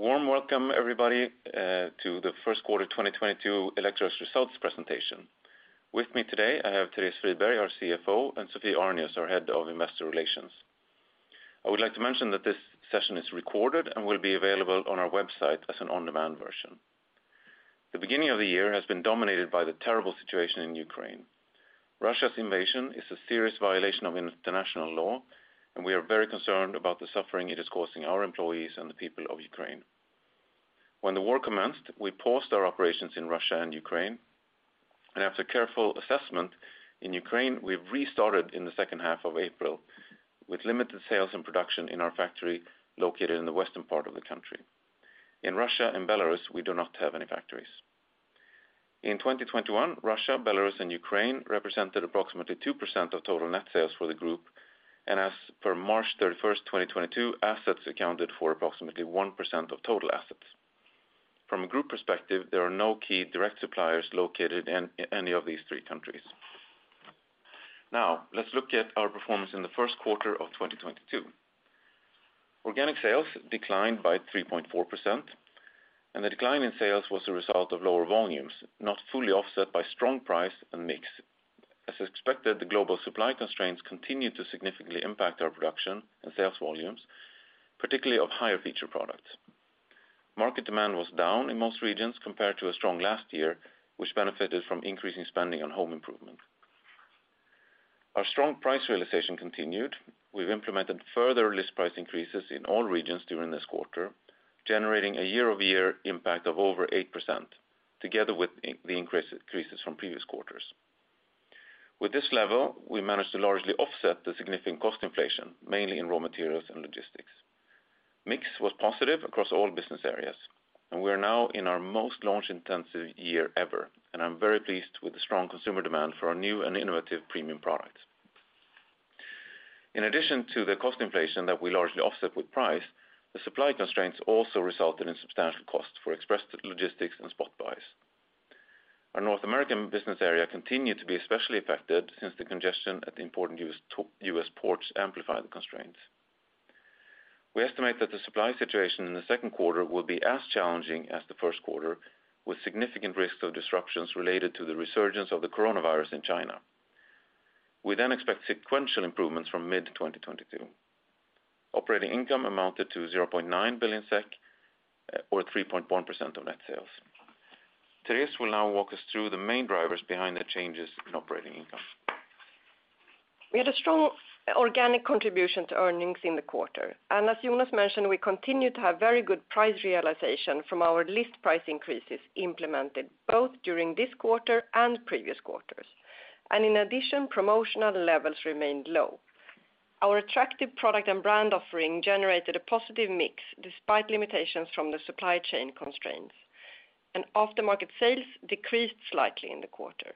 Warm welcome everybody to the first quarter 2022 Electrolux Results Presentation. With me today, I have Therese Friberg, our CFO, and Sophie Arnius, our head of investor relations. I would like to mention that this session is recorded and will be available on our website as an on-demand version. The beginning of the year has been dominated by the terrible situation in Ukraine. Russia's invasion is a serious violation of international law, and we are very concerned about the suffering it is causing our employees and the people of Ukraine. When the war commenced, we paused our operations in Russia and Ukraine, and after careful assessment in Ukraine, we've restarted in the second half of April with limited sales and production in our factory located in the western part of the country. In Russia and Belarus, we do not have any factories. In 2021, Russia, Belarus, and Ukraine represented approximately 2% of total net sales for the group, and as per March 31, 2022, assets accounted for approximately 1% of total assets. From a group perspective, there are no key direct suppliers located in any of these three countries. Now, let's look at our performance in the first quarter of 2022. Organic sales declined by 3.4%, and the decline in sales was a result of lower volumes, not fully offset by strong price and mix. As expected, the global supply constraints continued to significantly impact our production and sales volumes, particularly of higher featured products. Market demand was down in most regions compared to a strong last year, which benefited from increasing spending on home improvement. Our strong price realization continued. We've implemented further list price increases in all regions during this quarter, generating a year-over-year impact of over 8% together with the increases from previous quarters. With this level, we managed to largely offset the significant cost inflation, mainly in raw materials and logistics. Mix was positive across all business areas, and we are now in our most launch-intensive year ever, and I'm very pleased with the strong consumer demand for our new and innovative premium products. In addition to the cost inflation that we largely offset with price, the supply constraints also resulted in substantial costs for express logistics and spot buys. Our North American business area continued to be especially affected since the congestion at the important U.S. ports amplified the constraints. We estimate that the supply situation in the second quarter will be as challenging as the first quarter, with significant risks of disruptions related to the resurgence of the coronavirus in China. We expect sequential improvements from mid-2022. Operating income amounted to 0.9 billion SEK, or 3.1% of net sales. Therese will now walk us through the main drivers behind the changes in operating income. We had a strong organic contribution to earnings in the quarter. As Jonas mentioned, we continued to have very good price realization from our list price increases implemented both during this quarter and previous quarters. Promotional levels remained low. Our attractive product and brand offering generated a positive mix despite limitations from the supply chain constraints. Aftermarket sales decreased slightly in the quarter.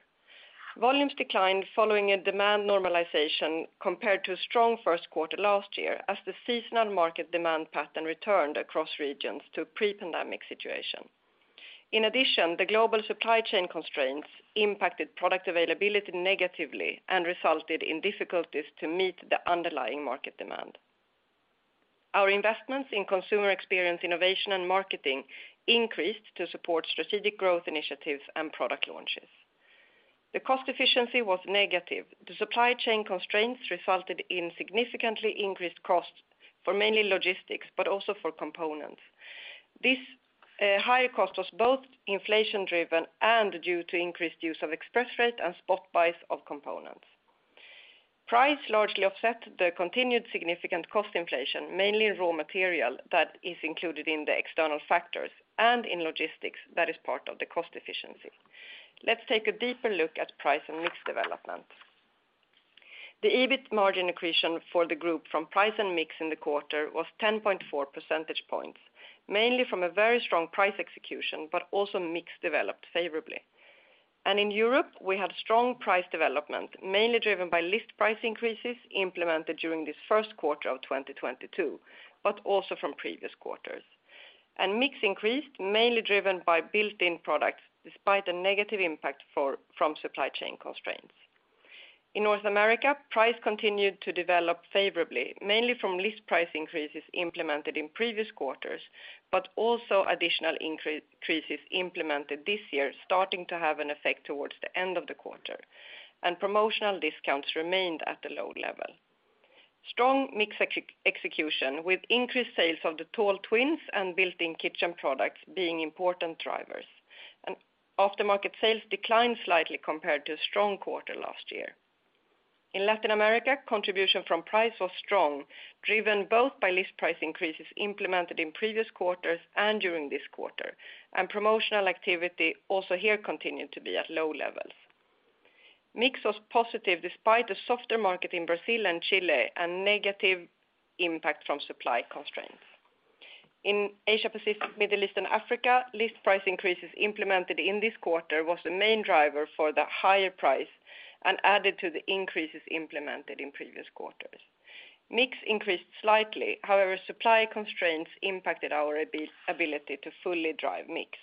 Volumes declined following a demand normalization compared to a strong first quarter last year as the seasonal market demand pattern returned across regions to a pre-pandemic situation. The global supply chain constraints impacted product availability negatively and resulted in difficulties to meet the underlying market demand. Our investments in consumer experience, innovation, and marketing increased to support strategic growth initiatives and product launches. The cost efficiency was negative. The supply chain constraints resulted in significantly increased costs for mainly logistics, but also for components. This higher cost was both inflation-driven and due to increased use of express rate and spot buys of components. Price largely offset the continued significant cost inflation, mainly in raw material that is included in the external factors and in logistics that is part of the cost efficiency. Let's take a deeper look at price and mix development. The EBIT margin accretion for the group from price and mix in the quarter was 10.4 percentage points, mainly from a very strong price execution, but also mix developed favorably. In Europe, we had strong price development, mainly driven by list price increases implemented during this first quarter of 2022, but also from previous quarters. Mix increased, mainly driven by built-in products despite a negative impact from supply chain constraints. In North America, price continued to develop favorably, mainly from list price increases implemented in previous quarters, but also additional increases implemented this year starting to have an effect towards the end of the quarter. Promotional discounts remained at a low level. Strong mix execution with increased sales of the Tall Twins and built-in kitchen products being important drivers. Aftermarket sales declined slightly compared to a strong quarter last year. In Latin America, contribution from price was strong, driven both by list price increases implemented in previous quarters and during this quarter. Promotional activity also here continued to be at low levels. Mix was positive despite a softer market in Brazil and Chile and negative impact from supply constraints. In Asia-Pacific, Middle East, and Africa, list price increases implemented in this quarter was the main driver for the higher price and added to the increases implemented in previous quarters. Mix increased slightly. However, supply constraints impacted our ability to fully drive mix.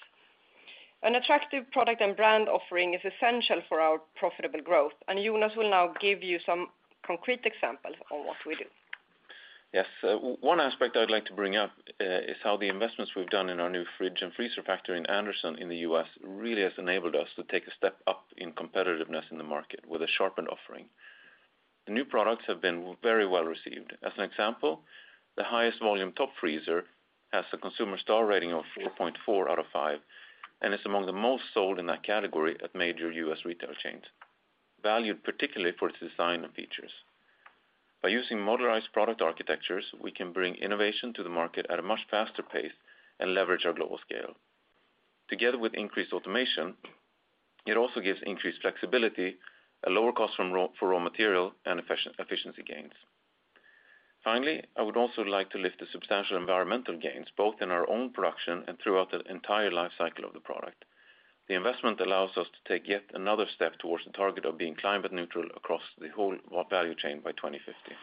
An attractive product and brand offering is essential for our profitable growth, and Jonas will now give you some concrete examples on what we do. Yes. One aspect I'd like to bring up is how the investments we've done in our new fridge and freezer factory in Anderson in the U.S. really has enabled us to take a step up in competitiveness in the market with a sharpened offering. The new products have been very well received. As an example, the highest volume top freezer has a consumer star rating of 4.4 out of five, and is among the most sold in that category at major U.S. retail chains, valued particularly for its design and features. By using modernized product architectures, we can bring innovation to the market at a much faster pace and leverage our global scale. Together with increased automation, it also gives increased flexibility, a lower cost for raw material, and efficiency gains. Finally, I would also like to lift the substantial environmental gains, both in our own production and throughout the entire life cycle of the product. The investment allows us to take yet another step towards the target of being climate neutral across the whole value chain by 2050.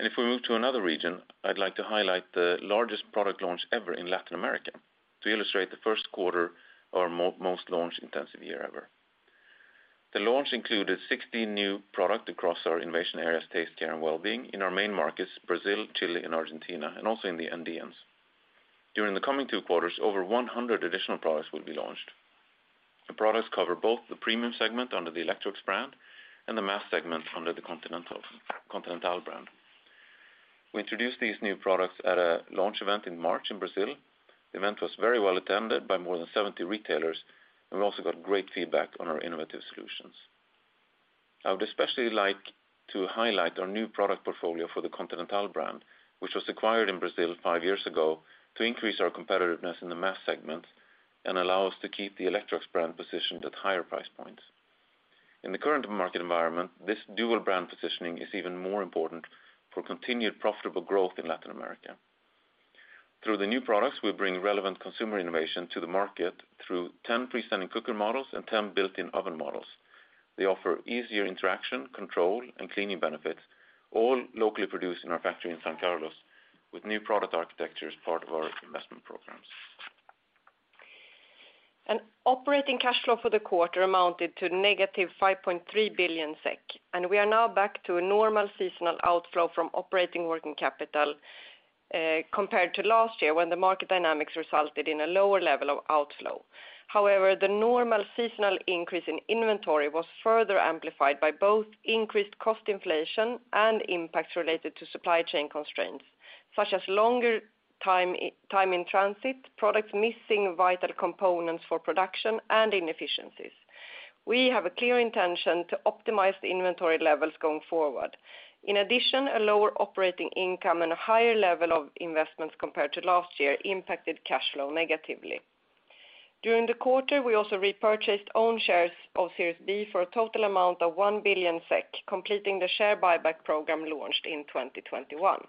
If we move to another region, I'd like to highlight the largest product launch ever in Latin America to illustrate the first quarter, our most launch intensive year ever. The launch included 60 new products across our innovation areas, taste, care, and wellbeing in our main markets, Brazil, Chile, and Argentina, and also in the NDMs. During the coming two quarters, over 100 additional products will be launched. The products cover both the premium segment under the Electrolux brand and the mass segment under the Continental brand. We introduced these new products at a launch event in March in Brazil. The event was very well attended by more than 70 retailers, and we also got great feedback on our innovative solutions. I would especially like to highlight our new product portfolio for the Continental brand, which was acquired in Brazil five years ago to increase our competitiveness in the mass segments and allow us to keep the Electrolux brand positioned at higher price points. In the current market environment, this dual brand positioning is even more important for continued profitable growth in Latin America. Through the new products, we bring relevant consumer innovation to the market through 10 freestanding cooker models and 10 built-in oven models. They offer easier interaction, control, and cleaning benefits, all locally produced in our factory in São Carlos with new product architecture as part of our investment programs. Operating cash flow for the quarter amounted to -5.3 billion SEK, and we are now back to a normal seasonal outflow from operating working capital, compared to last year when the market dynamics resulted in a lower level of outflow. However, the normal seasonal increase in inventory was further amplified by both increased cost inflation and impacts related to supply chain constraints, such as longer time in transit, products missing vital components for production, and inefficiencies. We have a clear intention to optimize the inventory levels going forward. In addition, a lower operating income and a higher level of investments compared to last year impacted cash flow negatively. During the quarter, we also repurchased own shares of Series B for a total amount of 1 billion SEK, completing the share buyback program launched in 2021.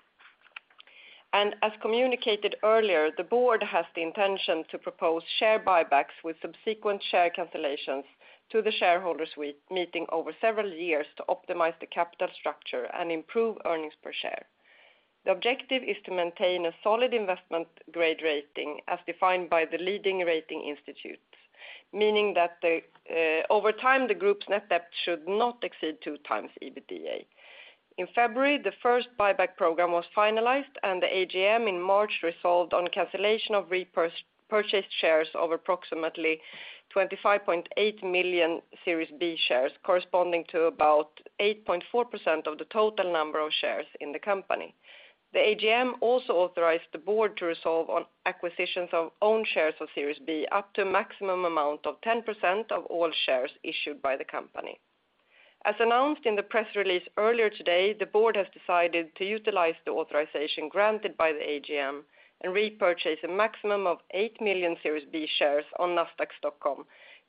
As communicated earlier, the board has the intention to propose share buybacks with subsequent share cancellations to the shareholders' meeting over several years to optimize the capital structure and improve earnings per share. The objective is to maintain a solid investment grade rating as defined by the leading rating institutes, meaning that over time, the group's net debt should not exceed two times EBITDA. In February, the first buyback program was finalized, and the AGM in March resolved on cancellation of repurchased shares of approximately 25.8 million Series B shares, corresponding to about 8.4% of the total number of shares in the company. The AGM also authorized the board to resolve on acquisitions of own shares of Series B up to a maximum amount of 10% of all shares issued by the company. As announced in the press release earlier today, the board has decided to utilize the authorization granted by the AGM and repurchase a maximum of 8 million Series B shares on Nasdaq Stockholm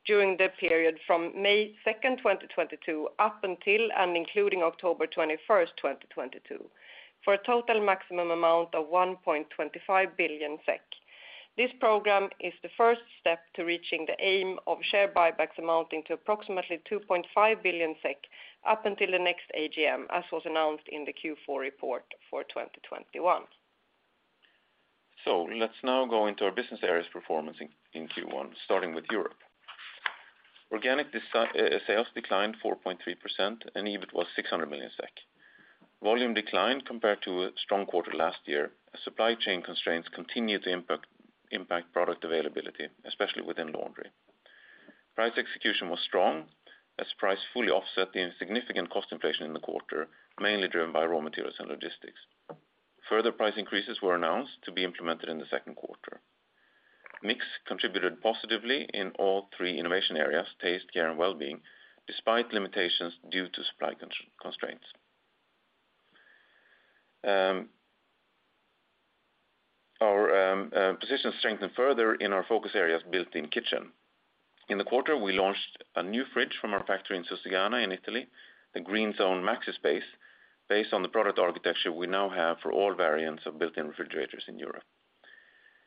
during the period from May 2nd, 2022, up until and including October 21st, 2022, for a total maximum amount of 1.25 billion SEK. This program is the first step to reaching the aim of share buybacks amounting to approximately 2.5 billion SEK up until the next AGM, as was announced in the Q4 report for 2021. Let's now go into our business areas performance in Q1, starting with Europe. Organic sales declined 4.3%, and EBIT was 600 million SEK. Volume declined compared to a strong quarter last year as supply chain constraints continued to impact product availability, especially within laundry. Price execution was strong as price fully offset the significant cost inflation in the quarter, mainly driven by raw materials and logistics. Further price increases were announced to be implemented in the second quarter. Mix contributed positively in all three innovation areas, taste, care, and wellbeing, despite limitations due to supply constraints. Our position strengthened further in our focus areas built-in kitchen. In the quarter, we launched a new fridge from our factory in Susegana in Italy, the GreenZone MaxiSpace, based on the product architecture we now have for all variants of built-in refrigerators in Europe.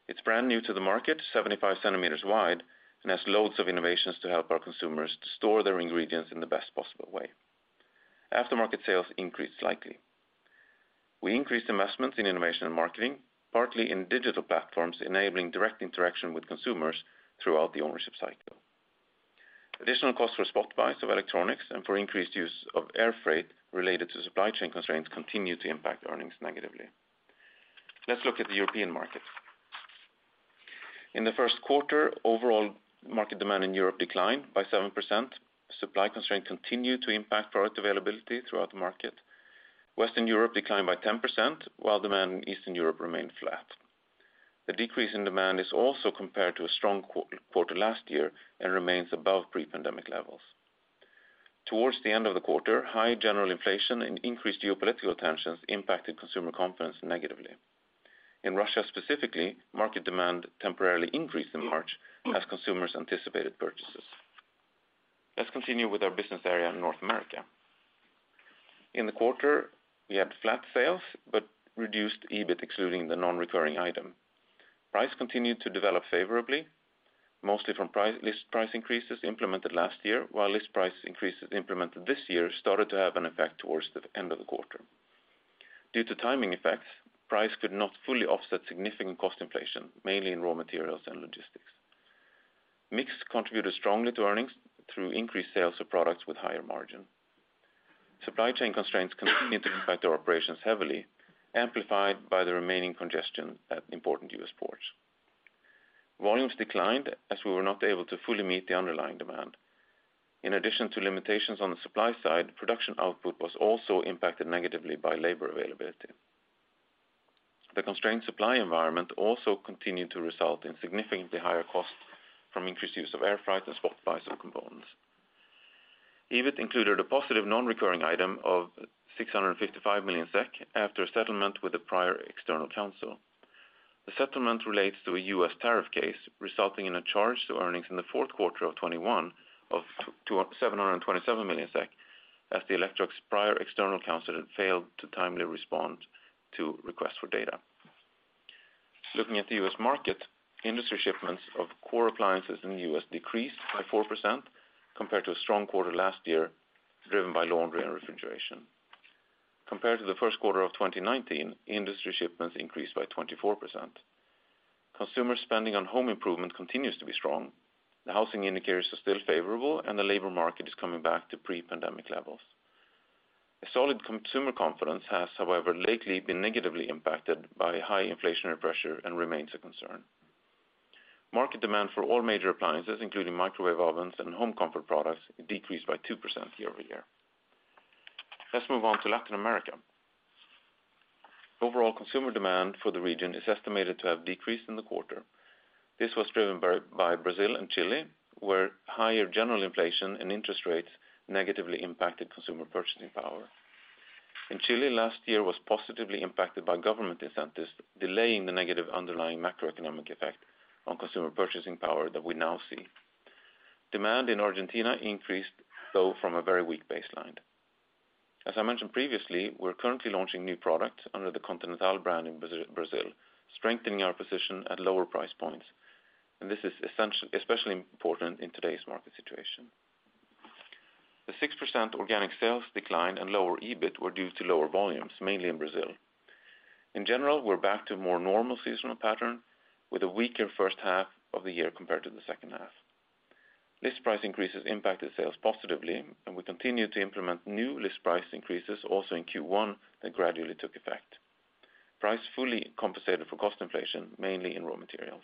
It's brand new to the market, 75 centimeters wide, and has loads of innovations to help our consumers to store their ingredients in the best possible way. Aftermarket sales increased slightly. We increased investments in innovation and marketing, partly in digital platforms, enabling direct interaction with consumers throughout the ownership cycle. Additional costs for spot buys of electronics and for increased use of air freight related to supply chain constraints continue to impact earnings negatively. Let's look at the European market. In the first quarter, overall market demand in Europe declined by 7%. Supply constraints continue to impact product availability throughout the market. Western Europe declined by 10%, while demand in Eastern Europe remained flat. The decrease in demand is also compared to a strong quarter last year and remains above pre-pandemic levels. Towards the end of the quarter, high general inflation and increased geopolitical tensions impacted consumer confidence negatively. In Russia specifically, market demand temporarily increased in March as consumers anticipated purchases. Let's continue with our business area in North America. In the quarter, we had flat sales but reduced EBIT excluding the non-recurring item. Price continued to develop favorably, mostly from list price increases implemented last year, while list price increases implemented this year started to have an effect towards the end of the quarter. Due to timing effects, price could not fully offset significant cost inflation, mainly in raw materials and logistics. Mix contributed strongly to earnings through increased sales of products with higher margin. Supply chain constraints continued to impact our operations heavily, amplified by the remaining congestion at important U.S. ports. Volumes declined as we were not able to fully meet the underlying demand. In addition to limitations on the supply side, production output was also impacted negatively by labor availability. The constrained supply environment also continued to result in significantly higher costs from increased use of air freight and spot buys of components. EBIT included a positive non-recurring item of 655 million SEK after a settlement with a prior external counsel. The settlement relates to a U.S. tariff case resulting in a charge to earnings in the fourth quarter of 2021 of 727 million SEK as the Electrolux prior external counsel had failed to timely respond to requests for data. Looking at the US market, industry shipments of core appliances in the US decreased by 4% compared to a strong quarter last year, driven by laundry and refrigeration. Compared to the first quarter of 2019, industry shipments increased by 24%. Consumer spending on home improvement continues to be strong. The housing indicators are still favorable, and the labor market is coming back to pre-pandemic levels. A solid consumer confidence has, however, lately been negatively impacted by high inflationary pressure and remains a concern. Market demand for all major appliances, including microwave ovens and home comfort products, decreased by 2% year-over-year. Let's move on to Latin America. Overall consumer demand for the region is estimated to have decreased in the quarter. This was driven by Brazil and Chile, where higher general inflation and interest rates negatively impacted consumer purchasing power. In Chile, last year was positively impacted by government incentives, delaying the negative underlying macroeconomic effect on consumer purchasing power that we now see. Demand in Argentina increased, though from a very weak baseline. As I mentioned previously, we're currently launching new products under the Continental brand in Brazil, strengthening our position at lower price points, and this is especially important in today's market situation. The 6% organic sales decline and lower EBIT were due to lower volumes, mainly in Brazil. In general, we're back to a more normal seasonal pattern with a weaker first half of the year compared to the second half. List price increases impacted sales positively, and we continue to implement new list price increases also in Q1 that gradually took effect. Price fully compensated for cost inflation, mainly in raw materials.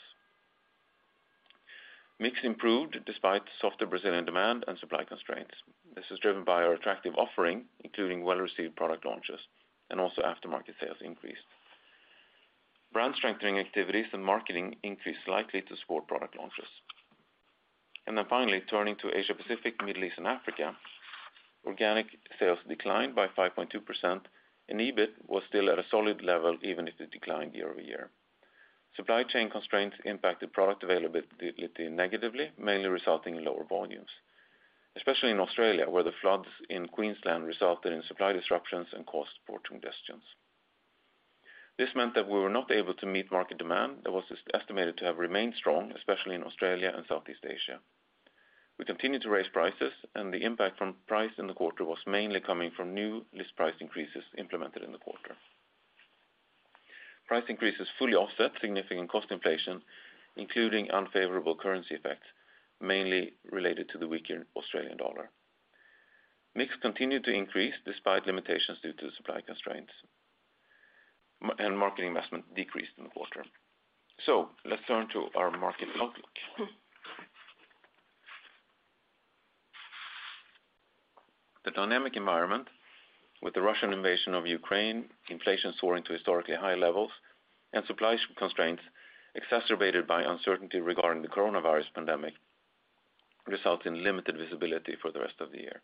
Mix improved despite softer Brazilian demand and supply constraints. This is driven by our attractive offering, including well-received product launches, and also aftermarket sales increased. Brand strengthening activities and marketing increased likely to support product launches. Finally, turning to Asia Pacific, Middle East, and Africa, organic sales declined by 5.2%, and EBIT was still at a solid level, even if it declined year-over-year. Supply chain constraints impacted product availability negatively, mainly resulting in lower volumes, especially in Australia, where the floods in Queensland resulted in supply disruptions and coastal port congestions. This meant that we were not able to meet market demand that was estimated to have remained strong, especially in Australia and Southeast Asia. We continued to raise prices, and the impact from price in the quarter was mainly coming from new list price increases implemented in the quarter. Price increases fully offset significant cost inflation, including unfavorable currency effects, mainly related to the weaker Australian dollar. Mix continued to increase despite limitations due to supply constraints, and marketing investment decreased in the quarter. Let's turn to our market outlook. The dynamic environment with the Russian invasion of Ukraine, inflation soaring to historically high levels, and supply constraints exacerbated by uncertainty regarding the coronavirus pandemic result in limited visibility for the rest of the year.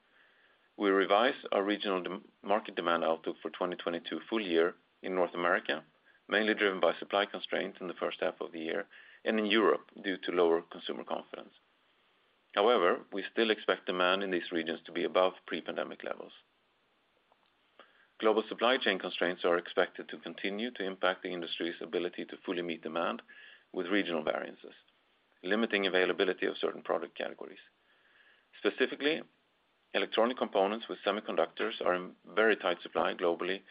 We revised our regional market demand outlook for 2022 full year in North America, mainly driven by supply constraints in the first half of the year, and in Europe due to lower consumer confidence. However, we still expect demand in these regions to be above pre-pandemic levels. Global supply chain constraints are expected to continue to impact the industry's ability to fully meet demand with regional variances, limiting availability of certain product categories. Specifically, electronic components with semiconductors are in very tight supply globally,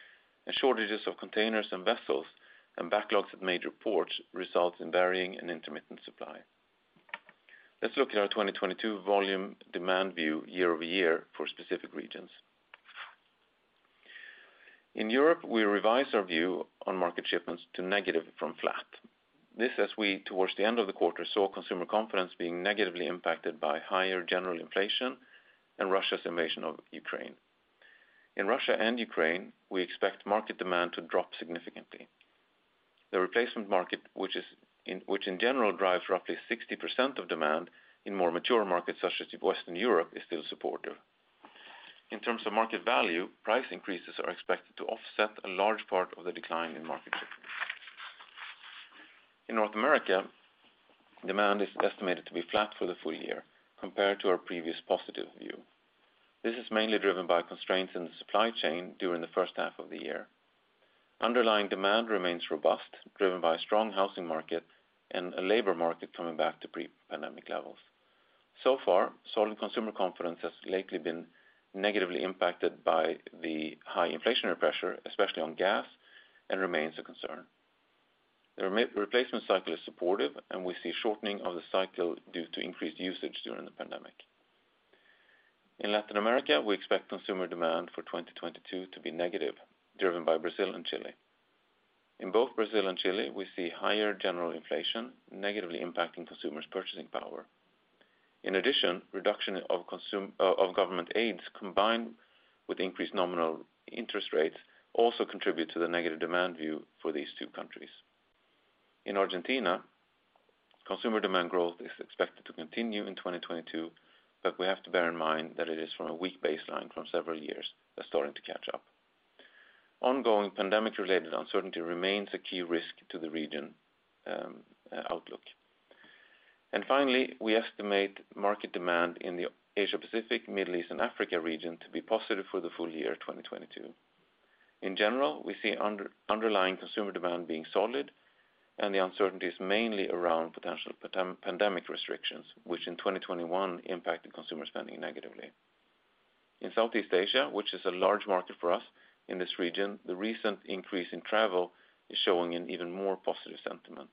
and shortages of containers and vessels and backlogs at major ports result in varying and intermittent supply. Let's look at our 2022 volume demand view year-over-year for specific regions. In Europe, we revise our view on market shipments to negative from flat. This as we, towards the end of the quarter, saw consumer confidence being negatively impacted by higher general inflation and Russia's invasion of Ukraine. In Russia and Ukraine, we expect market demand to drop significantly. The replacement market, which in general drives roughly 60% of demand in more mature markets such as Western Europe, is still supportive. In terms of market value, price increases are expected to offset a large part of the decline in market share. In North America, demand is estimated to be flat for the full year compared to our previous positive view. This is mainly driven by constraints in the supply chain during the first half of the year. Underlying demand remains robust, driven by a strong housing market and a labor market coming back to pre-pandemic levels. So far, solid consumer confidence has lately been negatively impacted by the high inflationary pressure, especially on gas, and remains a concern. The replacement cycle is supportive, and we see shortening of the cycle due to increased usage during the pandemic. In Latin America, we expect consumer demand for 2022 to be negative, driven by Brazil and Chile. In both Brazil and Chile, we see higher general inflation negatively impacting consumers' purchasing power. In addition, reduction of consumption of government aids combined with increased nominal interest rates also contribute to the negative demand view for these two countries. In Argentina, consumer demand growth is expected to continue in 2022, but we have to bear in mind that it is from a weak baseline from several years that's starting to catch up. Ongoing pandemic-related uncertainty remains a key risk to the region outlook. Finally, we estimate market demand in the Asia-Pacific, Middle East, and Africa region to be positive for the full year 2022. In general, we see underlying consumer demand being solid and the uncertainties mainly around potential pandemic restrictions, which in 2021 impacted consumer spending negatively. In Southeast Asia, which is a large market for us in this region, the recent increase in travel is showing an even more positive sentiment.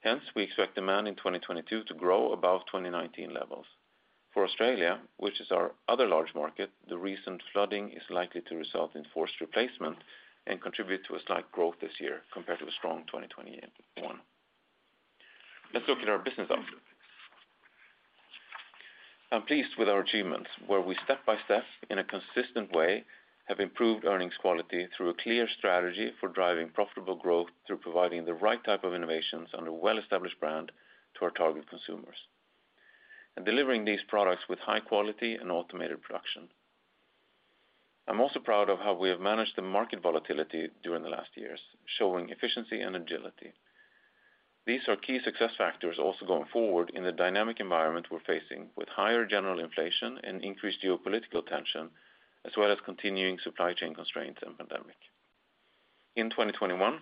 Hence, we expect demand in 2022 to grow above 2019 levels. For Australia, which is our other large market, the recent flooding is likely to result in forced replacement and contribute to a slight growth this year compared to a strong 2021. Let's look at our business outlook. I'm pleased with our achievements, where we step by step, in a consistent way, have improved earnings quality through a clear strategy for driving profitable growth through providing the right type of innovations and a well-established brand to our target consumers, and delivering these products with high quality and automated production. I'm also proud of how we have managed the market volatility during the last years, showing efficiency and agility. These are key success factors also going forward in the dynamic environment we're facing with higher general inflation and increased geopolitical tension, as well as continuing supply chain constraints and pandemic. In 2021,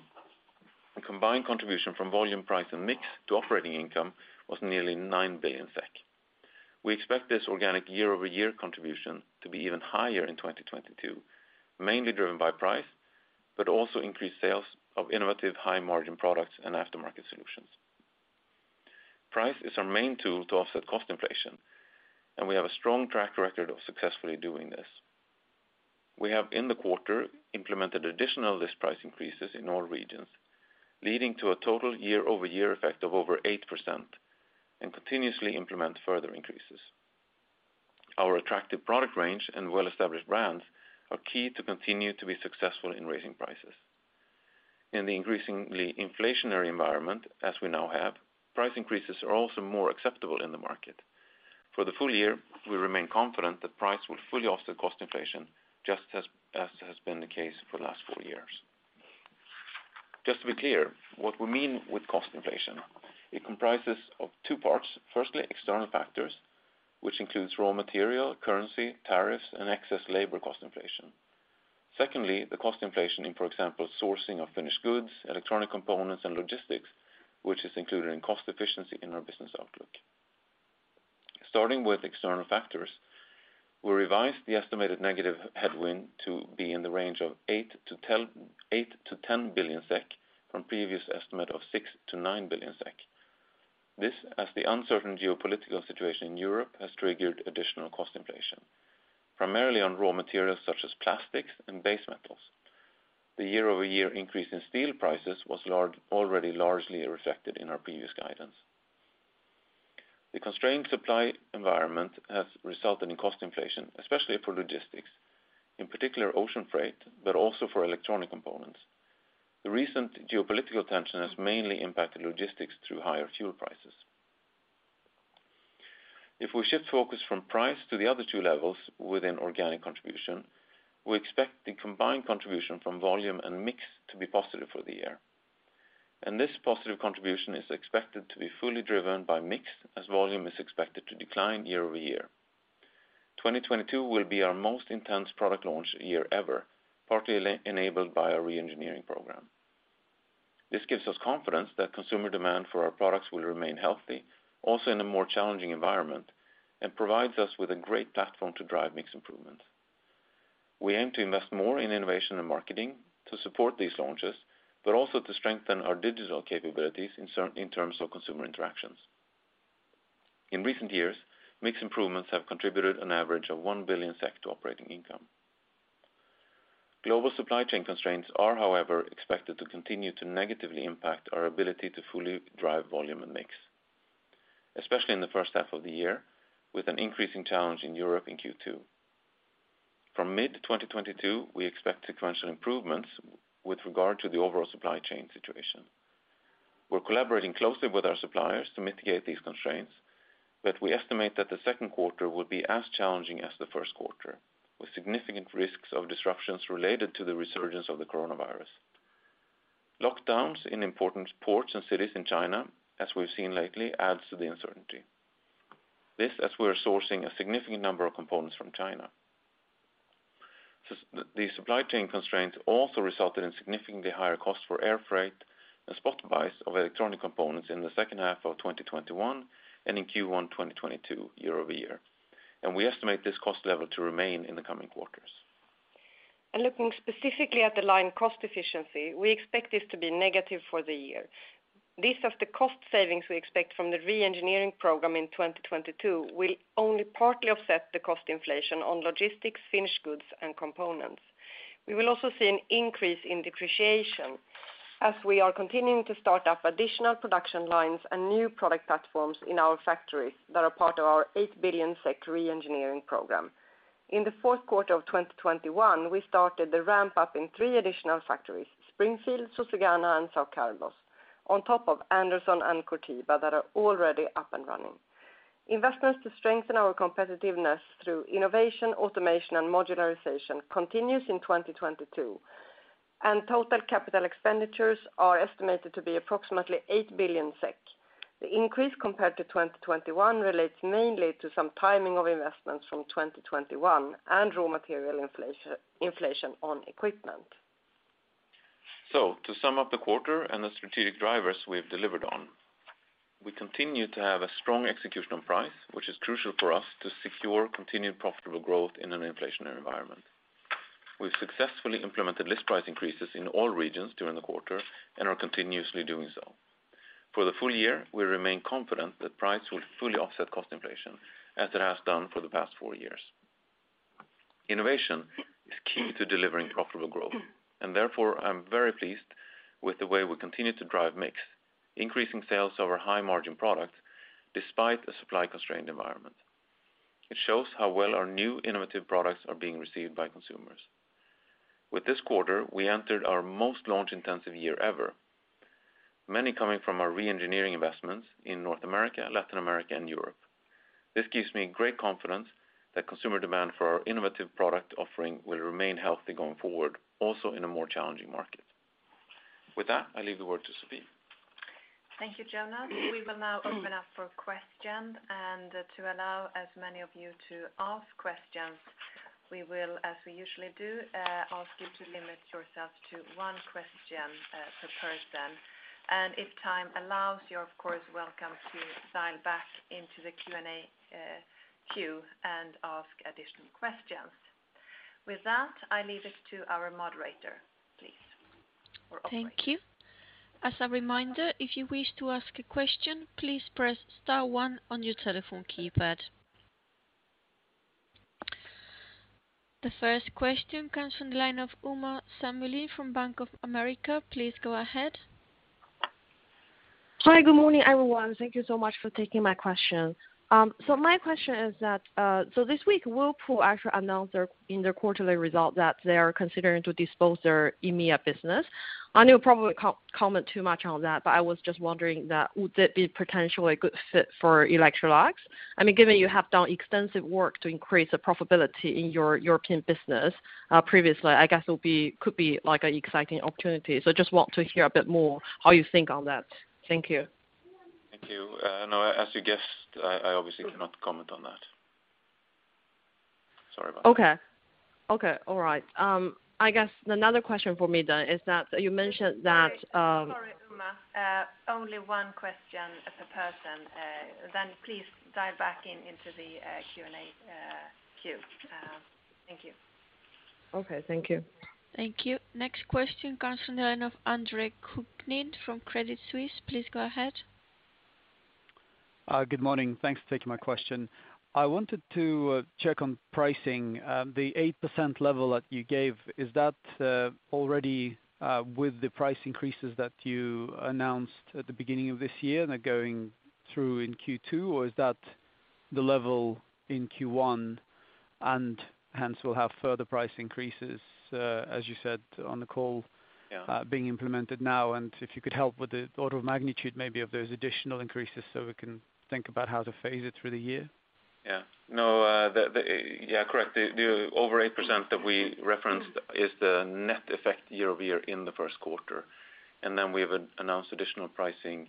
the combined contribution from volume, price, and mix to operating income was nearly 9 billion SEK. We expect this organic year-over-year contribution to be even higher in 2022, mainly driven by price, but also increased sales of innovative high-margin products and aftermarket solutions. Price is our main tool to offset cost inflation, and we have a strong track record of successfully doing this. We have, in the quarter, implemented additional list price increases in all regions, leading to a total year-over-year effect of over 8% and continuously implement further increases. Our attractive product range and well-established brands are key to continue to be successful in raising prices. In the increasingly inflationary environment, as we now have, price increases are also more acceptable in the market. For the full year, we remain confident that price will fully offset cost inflation, just as has been the case for the last four years. Just to be clear, what we mean with cost inflation, it comprises of two parts. Firstly, external factors, which includes raw material, currency, tariffs, and excess labor cost inflation. Secondly, the cost inflation in, for example, sourcing of finished goods, electronic components, and logistics, which is included in cost efficiency in our business outlook. Starting with external factors, we revised the estimated negative headwind to be in the range of 8 billion-10 billion SEK from previous estimate of 6 billion-9 billion SEK. This, as the uncertain geopolitical situation in Europe has triggered additional cost inflation, primarily on raw materials such as plastics and base metals. The year-over-year increase in steel prices was large, already largely reflected in our previous guidance. The constrained supply environment has resulted in cost inflation, especially for logistics, in particular ocean freight, but also for electronic components. The recent geopolitical tension has mainly impacted logistics through higher fuel prices. If we shift focus from price to the other two levels within organic contribution, we expect the combined contribution from volume and mix to be positive for the year. This positive contribution is expected to be fully driven by mix as volume is expected to decline year over year. 2022 will be our most intense product launch year ever, partly enabled by our re-engineering program. This gives us confidence that consumer demand for our products will remain healthy also in a more challenging environment, and provides us with a great platform to drive mix improvements. We aim to invest more in innovation and marketing to support these launches, but also to strengthen our digital capabilities in terms of consumer interactions. In recent years, mix improvements have contributed an average of 1 billion SEK to operating income. Global supply chain constraints are, however, expected to continue to negatively impact our ability to fully drive volume and mix, especially in the first half of the year, with an increasing challenge in Europe in Q2. From mid-2022, we expect sequential improvements with regard to the overall supply chain situation. We're collaborating closely with our suppliers to mitigate these constraints, but we estimate that the second quarter will be as challenging as the first quarter, with significant risks of disruptions related to the resurgence of the coronavirus. Lockdowns in important ports and cities in China, as we've seen lately, adds to the uncertainty. This as we're sourcing a significant number of components from China. The supply chain constraints also resulted in significantly higher costs for air freight and spot buys of electronic components in the second half of 2021 and in Q1 2022 year-over-year, and we estimate this cost level to remain in the coming quarters. Looking specifically at the line cost efficiency, we expect this to be negative for the year. This, as the cost savings we expect from the re-engineering program in 2022 will only partly offset the cost inflation on logistics, finished goods, and components. We will also see an increase in depreciation as we are continuing to start up additional production lines and new product platforms in our factories that are part of our 8 billion SEK re-engineering program. In the fourth quarter of 2021, we started the ramp up in three additional factories, Springfield, Susegana, and São Carlos, on top of Anderson and Curitiba that are already up and running. Investments to strengthen our competitiveness through innovation, automation, and modularization continues in 2022, and total capital expenditures are estimated to be approximately 8 billion SEK. The increase compared to 2021 relates mainly to some timing of investments from 2021 and raw material inflation on equipment. To sum up the quarter and the strategic drivers we have delivered on, we continue to have a strong execution on price, which is crucial for us to secure continued profitable growth in an inflationary environment. We've successfully implemented list price increases in all regions during the quarter and are continuously doing so. For the full year, we remain confident that price will fully offset cost inflation as it has done for the past four years. Innovation is key to delivering profitable growth, and therefore, I'm very pleased with the way we continue to drive mix, increasing sales of our high-margin products despite a supply-constrained environment. It shows how well our new innovative products are being received by consumers. With this quarter, we entered our most launch-intensive year ever, many coming from our re-engineering investments in North America, Latin America, and Europe. This gives me great confidence that consumer demand for our innovative product offering will remain healthy going forward, also in a more challenging market. With that, I leave the word to Sabine. Thank you, Jonas. We will now open up for questions. To allow as many of you to ask questions, we will, as we usually do, ask you to limit yourselves to one question per person. If time allows, you're of course welcome to dial back into the Q&A queue and ask additional questions. With that, I leave it to our moderator, please, or operator. Thank you. As a reminder, if you wish to ask a question, please press star one on your telephone keypad. The first question comes from the line of Uma Samlin from Bank of America. Please go ahead. Hi. Good morning, everyone. Thank you so much for taking my question. My question is that this week, Whirlpool actually announced, in their quarterly results, that they are considering to dispose of their EMEA business. I know you probably can't comment too much on that, but I was just wondering, would that be potentially a good fit for Electrolux? I mean, given you have done extensive work to increase the profitability in your European business, previously, I guess it would be, could be, like, an exciting opportunity. Just want to hear a bit more how you think on that. Thank you. Thank you. No, as you guessed, I obviously cannot comment on that. Sorry about that. Okay. All right. I guess another question for me then is that you mentioned that. Sorry, Uma, only one question per person. Please dial back into the Q&A queue. Thank you. Okay. Thank you. Thank you. Next question comes from the line of Andre Kukhnin from Credit Suisse. Please go ahead. Good morning. Thanks for taking my question. I wanted to check on pricing. The 8% level that you gave, is that already with the price increases that you announced at the beginning of this year that are going through in Q2? Or is that the level in Q1, and hence we'll have further price increases as you said on the call? Yeah being implemented now? If you could help with the order of magnitude maybe of those additional increases so we can think about how to phase it through the year. The over 8% that we referenced is the net effect year-over-year in the first quarter, and then we have announced additional pricing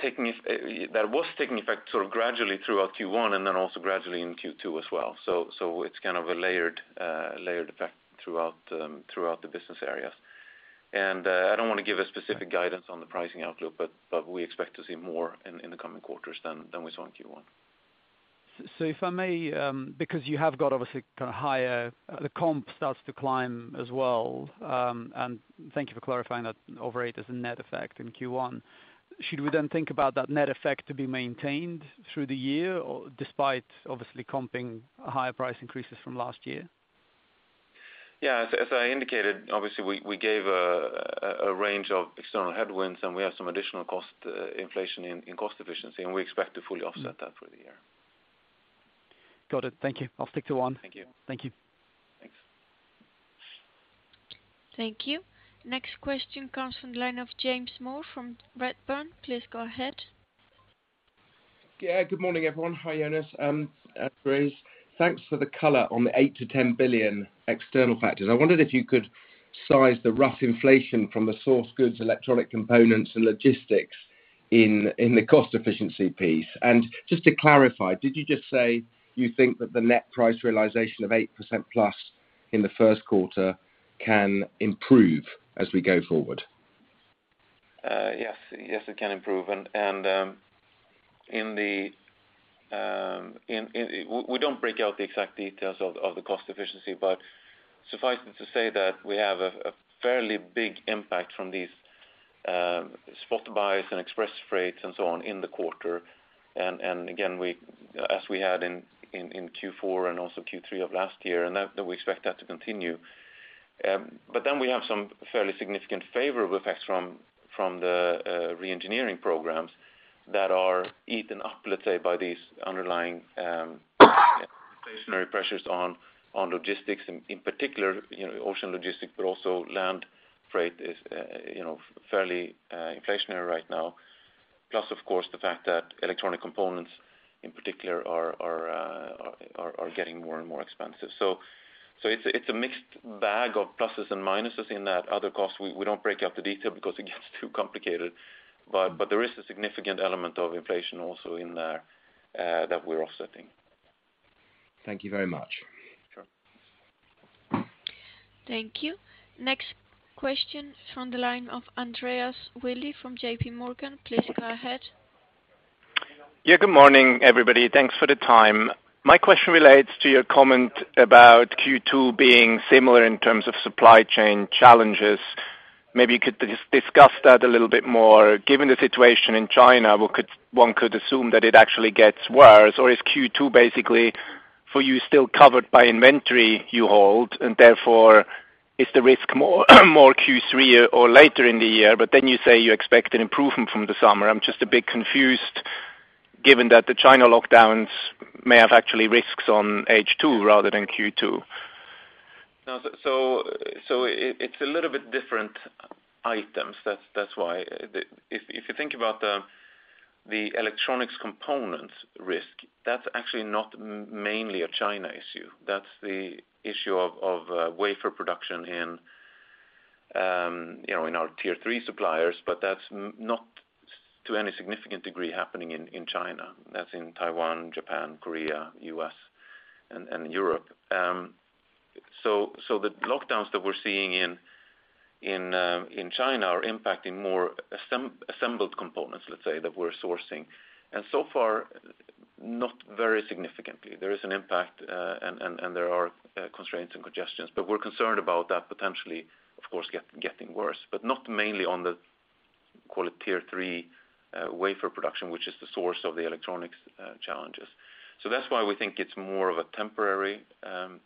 taking effect sort of gradually throughout Q1 and then also gradually in Q2 as well. It's kind of a layered effect throughout the business areas. I don't want to give a specific guidance on the pricing outlook, but we expect to see more in the coming quarters than we saw in Q1. If I may, because you have got obviously kind of higher, the comp starts to climb as well. Thank you for clarifying that over 8% is a net effect in Q1. Should we then think about that net effect to be maintained through the year or despite obviously comping higher price increases from last year? Yeah. As I indicated, obviously we gave a range of external headwinds, and we have some additional cost inflation in cost efficiency, and we expect to fully offset that for the year. Got it. Thank you. I'll stick to one. Thank you. Thank you. Thanks. Thank you. Next question comes from the line of James Moore from Redburn. Please go ahead. Yeah, good morning, everyone. Hi, Jonas and Per-Inge. Thanks for the color on the 8 billion-10 billion external factors. I wondered if you could size the raw inflation from the sourced goods, electronic components, and logistics in the cost efficiency piece. Just to clarify, did you just say you think that the net price realization of 8%+ in the first quarter can improve as we go forward? Yes, it can improve. We don't break out the exact details of the cost efficiency, but suffice it to say that we have a fairly big impact from these spot buys and express freight and so on in the quarter. Again, we, as we had in Q4 and also Q3 of last year, and that we expect that to continue. Then we have some fairly significant favorable effects from the re-engineering programs that are eaten up, let's say, by these underlying inflationary pressures on logistics, in particular, you know, ocean logistics, but also land freight is, you know, fairly inflationary right now. Plus, of course, the fact that electronic components in particular are getting more and more expensive. It's a mixed bag of pluses and minuses in that other costs. We don't break out the detail because it gets too complicated. There is a significant element of inflation also in there that we're offsetting. Thank you very much. Sure. Thank you. Next question from the line of Andreas Willi from JP Morgan. Please go ahead. Yeah, good morning, everybody. Thanks for the time. My question relates to your comment about Q2 being similar in terms of supply chain challenges. Maybe you could discuss that a little bit more. Given the situation in China, we could, one could assume that it actually gets worse, or is Q2 basically for you still covered by inventory you hold, and therefore is the risk more Q3 or later in the year? You say you expect an improvement from the summer. I'm just a bit confused given that the China lockdowns may have actually risks on H2 rather than Q2. No, it's a little bit different items. That's why. If you think about the electronics components risk, that's actually not mainly a China issue. That's the issue of wafer production, you know, in our tier three suppliers, but that's not to any significant degree happening in China. That's in Taiwan, Japan, Korea, U.S., and Europe. The lockdowns that we're seeing in China are impacting more assembled components, let's say, that we're sourcing, and so far, not very significantly. There is an impact, and there are constraints and congestions. We're concerned about that potentially, of course, getting worse, but not mainly on the call it tier three wafer production, which is the source of the electronics challenges. That's why we think it's more of a temporary challenge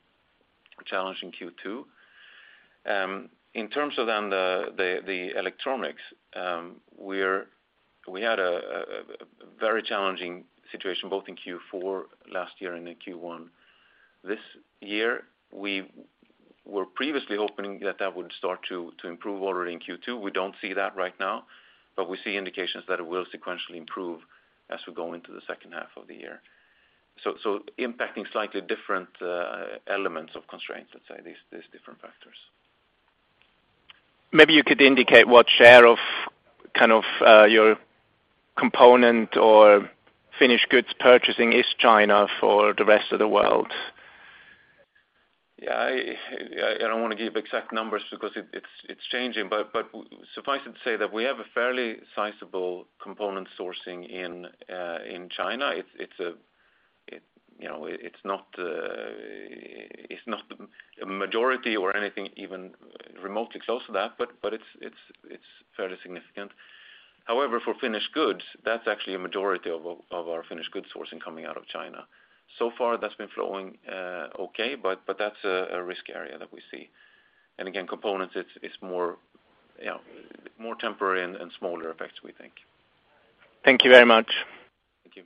in Q2. In terms of the electronics, we had a very challenging situation both in Q4 last year and in Q1 this year. We were previously hoping that would start to improve already in Q2. We don't see that right now, but we see indications that it will sequentially improve as we go into the second half of the year. Impacting slightly different elements of constraints, let's say, these different factors. Maybe you could indicate what share of kind of your component or finished goods purchasing is China for the rest of the world. Yeah, I don't want to give exact numbers because it's changing. Suffice it to say that we have a fairly sizable component sourcing in China. It's a, you know, it's not a majority or anything even remotely close to that, but it's fairly significant. However, for finished goods, that's actually a majority of our finished goods sourcing coming out of China. So far, that's been flowing okay, but that's a risk area that we see. Again, components, it's more, you know, more temporary and smaller effects, we think. Thank you very much. Thank you.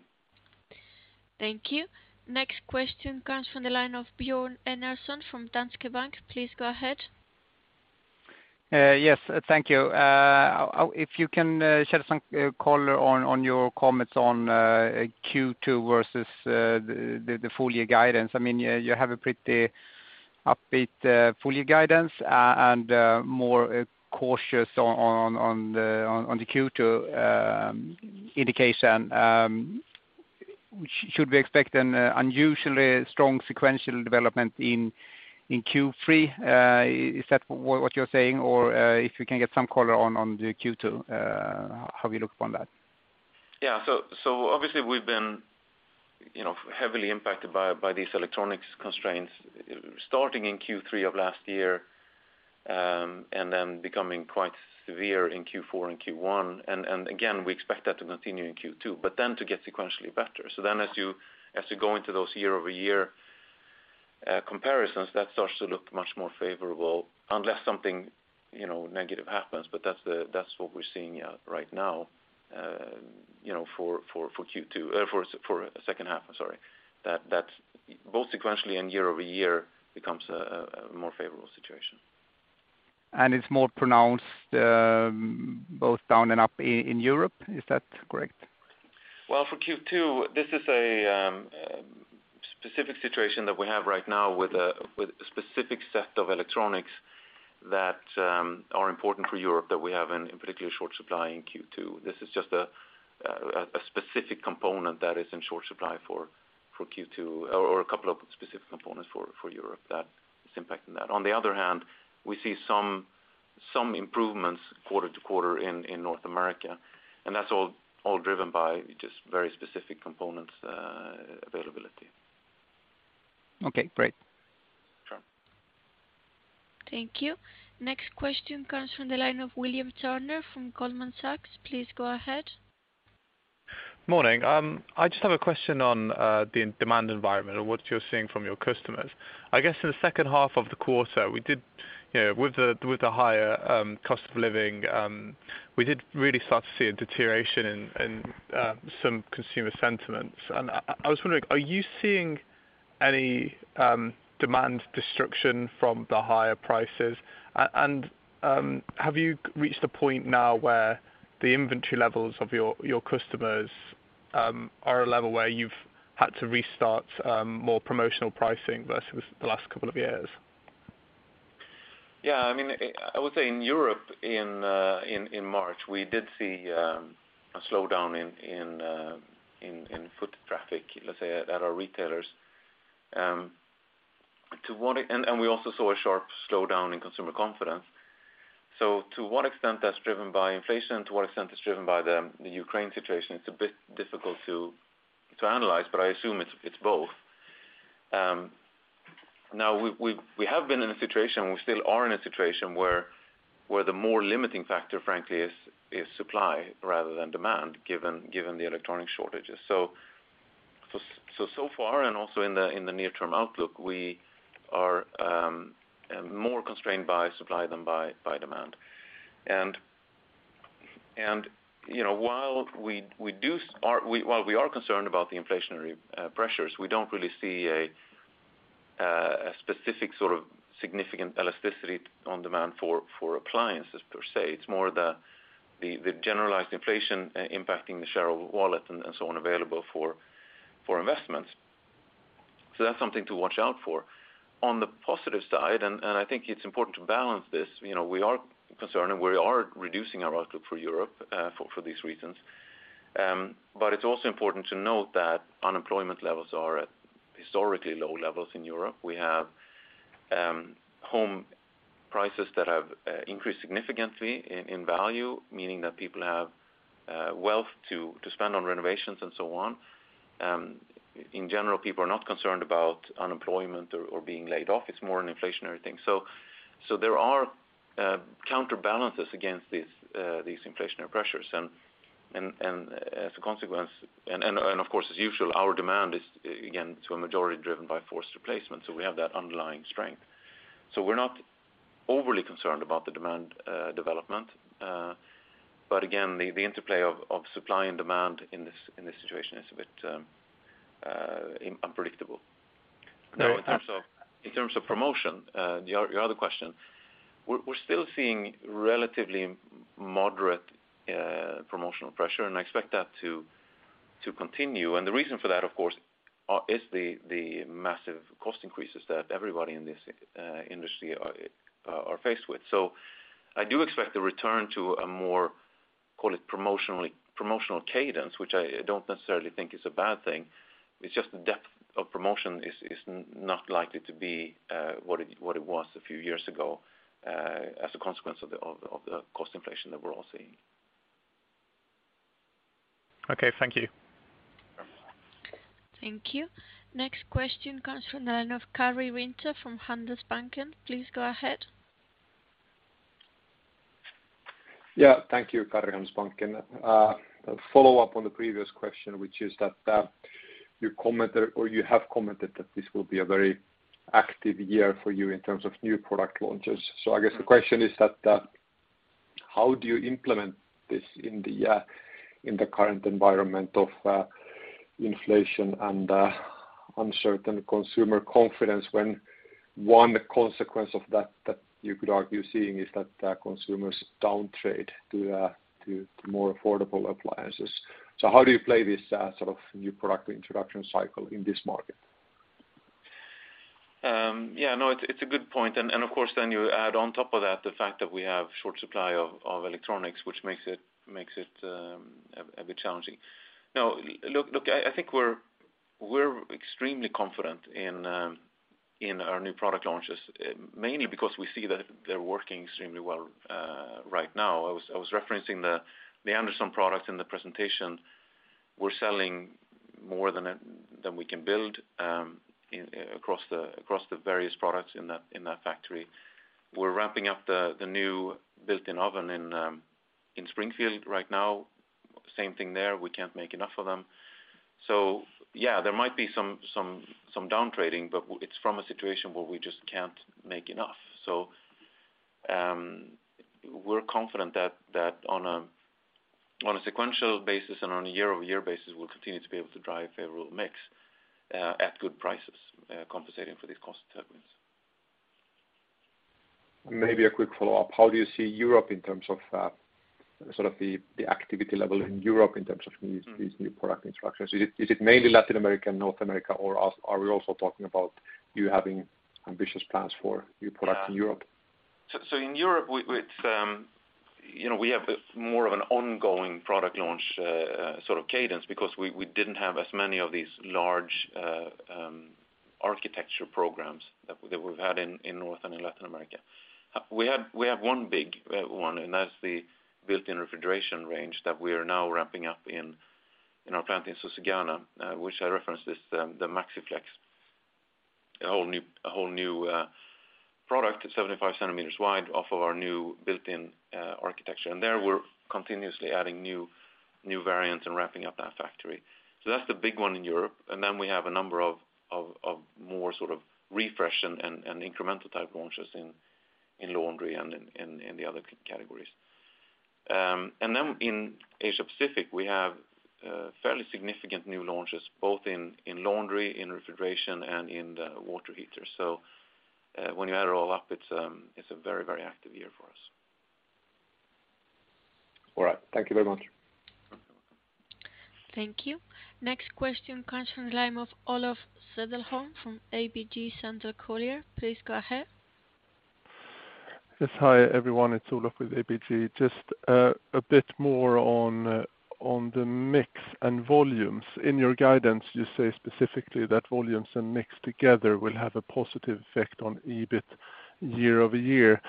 Thank you. Next question comes from the line of Bjorn Enarson from Danske Bank. Please go ahead. Yes. Thank you. If you can shed some color on your comments on Q2 versus the full year guidance. I mean, you have a pretty upbeat full year guidance and more cautious on the Q2 indication. Should we expect an unusually strong sequential development in Q3? Is that what you're saying or if you can get some color on the Q2, how we look upon that? Yeah. Obviously we've been, you know, heavily impacted by these electronics constraints starting in Q3 of last year, and then becoming quite severe in Q4 and Q1. Again, we expect that to continue in Q2, but then to get sequentially better. As you go into those year-over-year comparisons, that starts to look much more favorable unless something, you know, negative happens. That's what we're seeing right now, you know, for Q2, for second half. I'm sorry, that both sequentially and year-over-year becomes a more favorable situation. It's more pronounced, both down and up in Europe, is that correct? Well, for Q2, this is a specific situation that we have right now with a specific set of electronics that are important for Europe that we have in particular short supply in Q2. This is just a specific component that is in short supply for Q2 or a couple of specific components for Europe that is impacting that. On the other hand, we see some improvements quarter-over-quarter in North America, and that's all driven by just very specific components availability. Okay, great. Sure. Thank you. Next question comes from the line of William Turner from Goldman Sachs. Please go ahead. Morning. I just have a question on the demand environment and what you're seeing from your customers. I guess in the second half of the quarter, we did, you know, with the higher cost of living, we did really start to see a deterioration in some consumer sentiments. I was wondering, are you seeing any demand destruction from the higher prices? Have you reached a point now where the inventory levels of your customers are a level where you've had to restart more promotional pricing versus the last couple of years? Yeah, I mean, I would say in Europe, in March, we did see a slowdown in foot traffic, let's say at our retailers. We also saw a sharp slowdown in consumer confidence. To what extent that's driven by inflation, to what extent it's driven by the Ukraine situation, it's a bit difficult to analyze, but I assume it's both. Now we have been in a situation, we still are in a situation where the more limiting factor frankly is supply rather than demand given the electronic shortages. So far and also in the near term outlook, we are more constrained by supply than by demand. You know, while we are concerned about the inflationary pressures, we don't really see a specific sort of significant elasticity in demand for appliances per se. It's more the generalized inflation impacting the share of wallet and so on available for investments. So that's something to watch out for. On the positive side, I think it's important to balance this, you know, we are concerned and we are reducing our outlook for Europe for these reasons. It's also important to note that unemployment levels are at historically low levels in Europe. We have home prices that have increased significantly in value, meaning that people have wealth to spend on renovations and so on. In general, people are not concerned about unemployment or being laid off. It's more an inflationary thing. There are counterbalances against these inflationary pressures. As a consequence, of course, as usual, our demand is again to a majority driven by forced replacement. We have that underlying strength. We're not overly concerned about the demand development. Again, the interplay of supply and demand in this situation is a bit unpredictable. Now in terms of promotion, your other question, we're still seeing relatively moderate promotional pressure, and I expect that to continue. The reason for that, of course, is the massive cost increases that everybody in this industry are faced with. I do expect a return to a more, call it promotionally, promotional cadence, which I don't necessarily think is a bad thing. It's just the depth of promotion is not likely to be what it was a few years ago, as a consequence of the cost inflation that we're all seeing. Okay, thank you. Thank you. Next question comes from the line of Karri Rinta from Handelsbanken. Please go ahead. Yeah. Thank you, Karri, Handelsbanken. A follow-up on the previous question, which is that you commented or you have commented that this will be a very active year for you in terms of new product launches. I guess the question is that how do you implement this in the current environment of inflation and uncertain consumer confidence when one consequence of that you could argue we're seeing is that consumers trade down to more affordable appliances. How do you play this sort of new product introduction cycle in this market? Yeah, no, it's a good point. Of course, then you add on top of that the fact that we have short supply of electronics, which makes it a bit challenging. Look, I think we're extremely confident in our new product launches, mainly because we see that they're working extremely well right now. I was referencing the Andersn product in the presentation. We're selling more than we can build across the various products in that factory. We're ramping up the new built-in oven in Springfield right now. Same thing there. We can't make enough of them. Yeah, there might be some down trading, but it's from a situation where we just can't make enough. We're confident that on a sequential basis and on a year-over-year basis, we'll continue to be able to drive favorable mix at good prices, compensating for these cost headwinds. Maybe a quick follow-up. How do you see Europe in terms of sort of the activity level in Europe in terms of these new product introductions? Is it mainly Latin America and North America, or are we also talking about you having ambitious plans for new products in Europe? In Europe, you know, we have more of an ongoing product launch sort of cadence because we didn't have as many of these large architecture programs that we've had in North and in Latin America. We have one big one, and that's the built-in refrigeration range that we are now ramping up in our plant in Susegana, which I referenced as the MaxiFlex, a whole new product. It's 75 centimeters wide off of our new built-in architecture. There, we're continuously adding new variants and ramping up that factory. That's the big one in Europe. Then we have a number of more sort of refresh and incremental type launches in laundry and in the other categories. In Asia Pacific, we have fairly significant new launches, both in laundry, in refrigeration, and in the water heater. When you add it all up, it's a very, very active year for us. All right. Thank you very much. Thank you. Next question comes from the line of Olof Cederholm from ABG Sundal Collier. Please go ahead. Yes. Hi, everyone. It's Olof with ABG. Just a bit more on the mix and volumes. In your guidance, you say specifically that volumes and mix together will have a positive effect on EBIT year-over-year.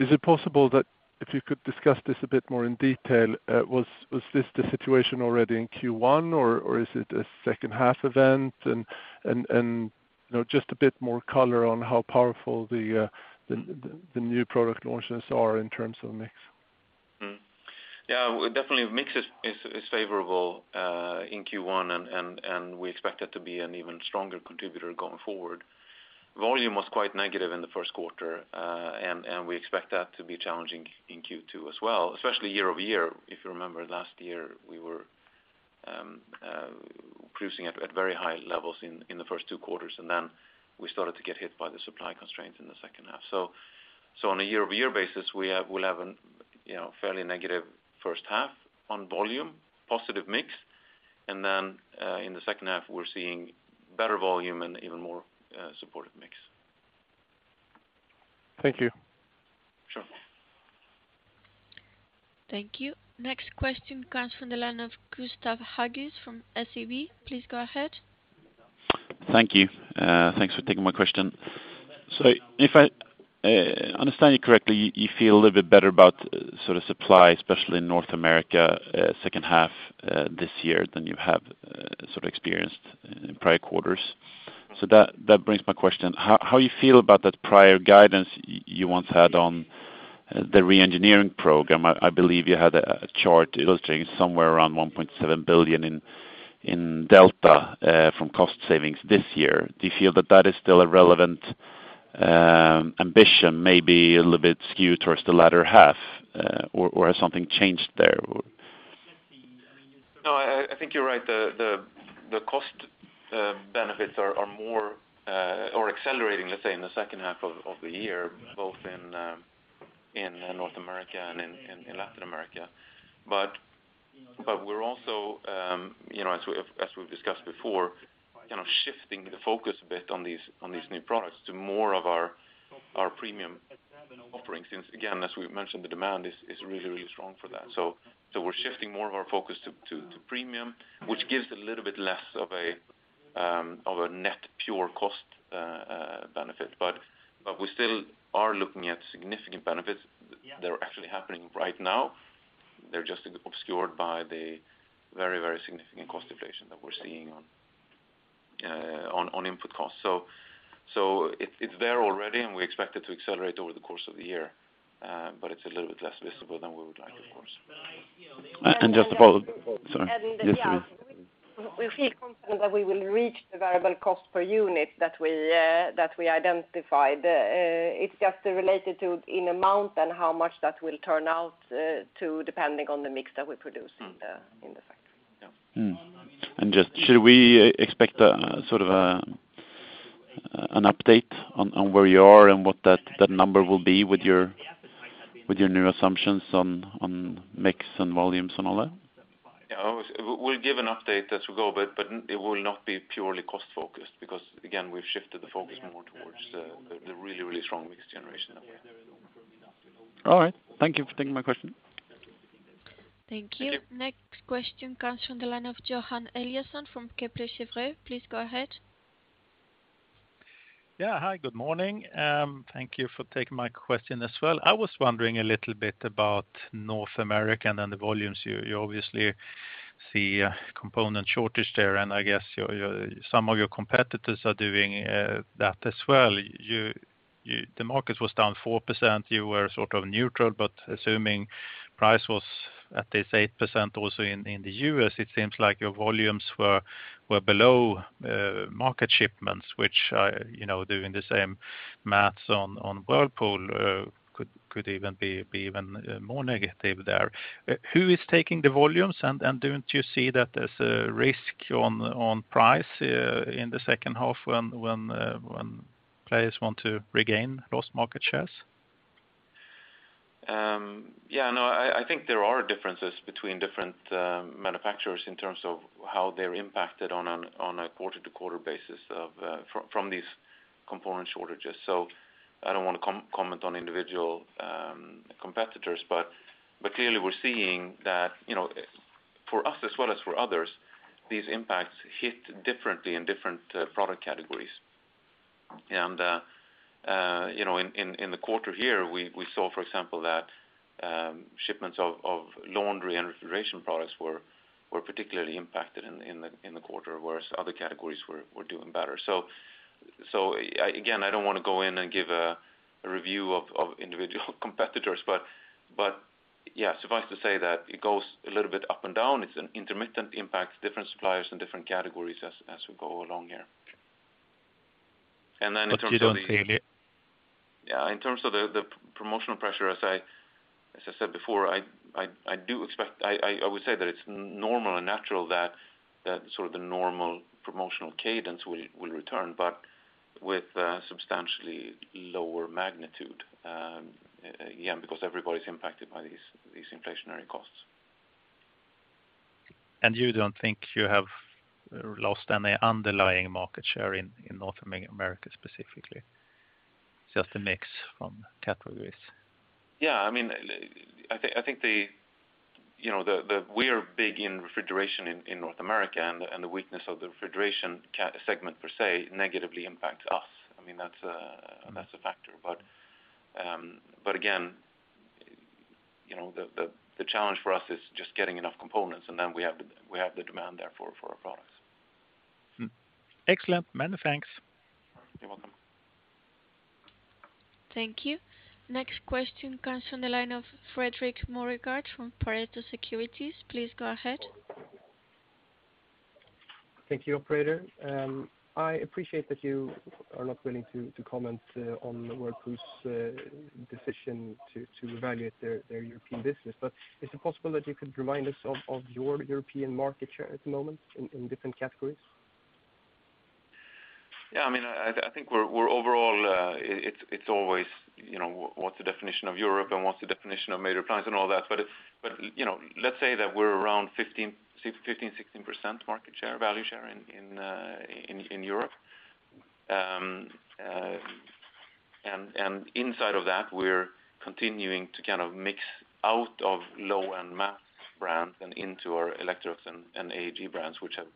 Is it possible that if you could discuss this a bit more in detail, was this the situation already in Q1, or is it a second half event? You know, just a bit more color on how powerful the new product launches are in terms of mix. Yeah, definitely mix is favorable in Q1, and we expect it to be an even stronger contributor going forward. Volume was quite negative in the first quarter, and we expect that to be challenging in Q2 as well, especially year-over-year. If you remember, last year, we were cruising at very high levels in the first two quarters, and then we started to get hit by the supply constraints in the second half. On a year-over-year basis, we'll have a, you know, fairly negative first half on volume, positive mix, and then in the second half, we're seeing better volume and even more supportive mix. Thank you. Sure. Thank you. Next question comes from the line of Gustav Hageus from SEB. Please go ahead. Thank you. Thanks for taking my question. If I understand you correctly, you feel a little bit better about sort of supply, especially in North America, second half, this year than you have, sort of experienced in prior quarters. That brings my question, how you feel about that prior guidance you once had on the re-engineering program? I believe you had a chart illustrating somewhere around 1.7 billion in delta from cost savings this year. Do you feel that that is still a relevant ambition, maybe a little bit skewed towards the latter half, or has something changed there? No, I think you're right. The cost benefits are more or accelerating, let's say, in the second half of the year, both in North America and in Latin America. We're also, you know, as we've discussed before, kind of shifting the focus a bit on these new products to more of our premium offerings since, again, as we've mentioned, the demand is really strong for that. We're shifting more of our focus to premium, which gives a little bit less of a net pure cost benefit. We still are looking at significant benefits that are actually happening right now. They're just obscured by the very significant cost inflation that we're seeing on input costs. It's there already, and we expect it to accelerate over the course of the year. It's a little bit less visible than we would like, of course. Sorry. Yeah, we feel confident that we will reach the variable cost per unit that we identified. It's just related to the amount and how much that will turn out, depending on the mix that we produce in the factory. Yeah. Just, should we expect a sort of an update on where you are and what that number will be with your new assumptions on mix and volumes and all that? We'll give an update as we go, but it will not be purely cost-focused because, again, we've shifted the focus more towards the really strong mix generation that we have. All right. Thank you for taking my question. Thank you. Thank you. Next question comes from the line of Johan Eliason from Kepler Cheuvreux. Please go ahead. Yeah. Hi, good morning. Thank you for taking my question as well. I was wondering a little bit about North America and then the volumes. You obviously see a component shortage there, and I guess your some of your competitors are doing that as well. The market was down 4%. You were sort of neutral, but assuming price was at least 8% also in the US, it seems like your volumes were below market shipments, which you know, doing the same math on Whirlpool could even be even more negative there. Who is taking the volumes, and don't you see that there's a risk on price in the second half when players want to regain lost market shares? Yeah, no, I think there are differences between different manufacturers in terms of how they're impacted on a quarter-to-quarter basis from these component shortages. I don't want to comment on individual competitors, but clearly we're seeing that, you know, for us as well as for others, these impacts hit differently in different product categories. You know, in the quarter here, we saw, for example, that shipments of laundry and refrigeration products were particularly impacted in the quarter, whereas other categories were doing better. Again, I don't want to go in and give a review of individual competitors, but yeah, suffice to say that it goes a little bit up and down. It's an intermittent impact, different suppliers and different categories as we go along here. In terms of the You don't see it. Yeah, in terms of the promotional pressure, as I said before, I do expect. I would say that it's normal and natural that sort of the normal promotional cadence will return, but with substantially lower magnitude, again, because everybody's impacted by these inflationary costs. You don't think you have lost any underlying market share in North America specifically, just the mix from categories? Yeah. I mean, we're big in refrigeration in North America and the weakness of the refrigeration segment per se negatively impacts us. I mean, that's a factor. Again, you know, the challenge for us is just getting enough components and then we have the demand there for our products. Excellent. Many thanks. You're welcome. Thank you. Next question comes from the line of Fredrik Moregård from Pareto Securities. Please go ahead. Thank you, operator. I appreciate that you are not willing to comment on Whirlpool's decision to evaluate their European business. Is it possible that you could remind us of your European market share at the moment in different categories? Yeah. I mean, I think we're overall, it's always, you know, what's the definition of Europe and what's the definition of major appliance and all that. You know, let's say that we're around 15-16% market share, value share in Europe. Inside of that, we're continuing to kind of mix out of low-end mass brands and into our Electrolux and AEG brands, which have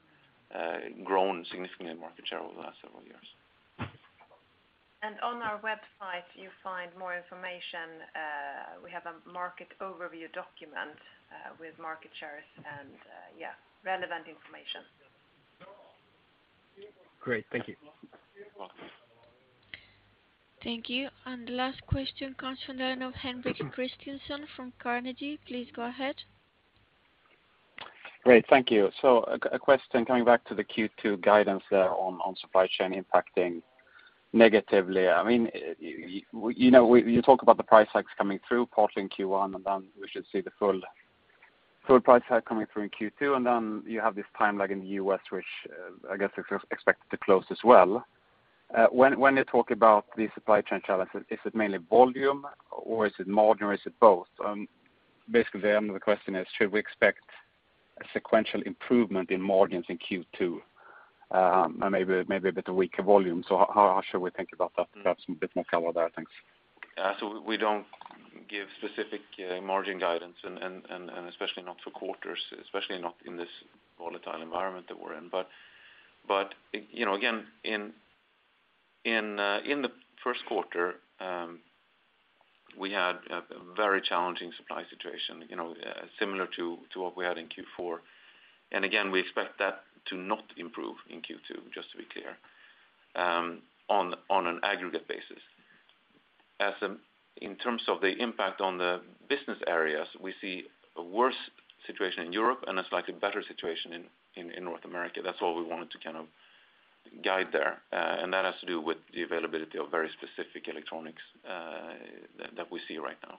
grown significantly in market share over the last several years. On our website, you find more information. We have a market overview document with market shares and, yeah, relevant information. Great. Thank you. You're welcome. Thank you. Last question comes from the line of Henrik Christiansson from Carnegie. Please go ahead. Great. Thank you. A question coming back to the Q2 guidance there on supply chain impacting negatively. I mean, you know, you talk about the price hikes coming through partly in Q1, and then we should see the full price hike coming through in Q2, and then you have this time lag in the U.S., which I guess is expected to close as well. When you talk about the supply chain challenges, is it mainly volume or is it margin or is it both? Basically the end of the question is should we expect a sequential improvement in margins in Q2, and maybe a bit weaker volume? How should we think about that? Perhaps a bit more color there. Thanks. Yeah. We don't give specific margin guidance and especially not for quarters, especially not in this volatile environment that we're in. You know, again, in the first quarter, we had a very challenging supply situation, you know, similar to what we had in Q4. Again, we expect that to not improve in Q2, just to be clear, on an aggregate basis. In terms of the impact on the business areas, we see a worse situation in Europe and a slightly better situation in North America. That's all we wanted to kind of guide there. That has to do with the availability of very specific electronics that we see right now.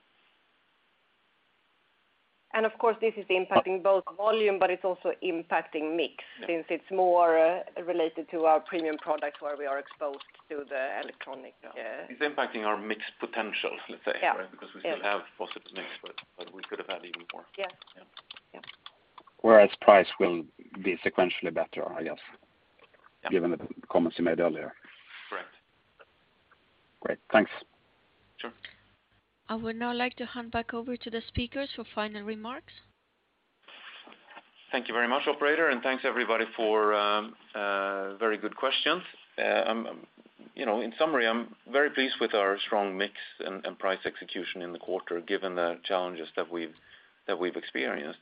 Of course, this is impacting both volume, but it's also impacting mix. Yeah. Since it's more related to our premium products where we are exposed to the electronics. Yeah. It's impacting our mix potential, let's say. Yeah. Right? Because we still have positive mix, but we could have had even more. Yeah. Yeah. Yeah. Whereas price will be sequentially better, I guess. Yeah. Given the comments you made earlier. Correct. Great. Thanks. Sure. I would now like to hand back over to the speakers for final remarks. Thank you very much, operator, and thanks, everybody, for very good questions. You know, in summary, I'm very pleased with our strong mix and price execution in the quarter, given the challenges that we've experienced.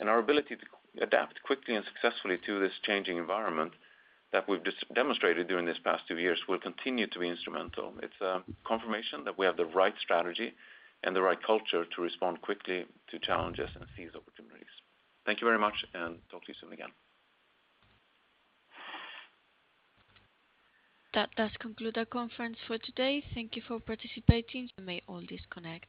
Our ability to adapt quickly and successfully to this changing environment that we've just demonstrated during these past two years will continue to be instrumental. It's a confirmation that we have the right strategy and the right culture to respond quickly to challenges and seize opportunities. Thank you very much, and talk to you soon again. That does conclude our conference for today. Thank you for participating. You may all disconnect.